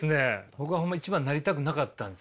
僕はホンマ一番なりたくなかったんです。